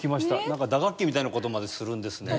なんか打楽器みたいな事までするんですね。